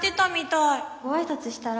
ご挨拶したら？